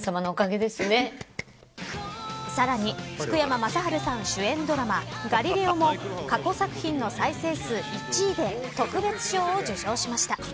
さらに、福山雅治さん主演ドラマ、ガリレオも過去作品の再生数１位で特別賞を受賞しました。